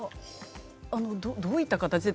どういった形で？